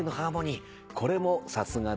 これもさすがでした。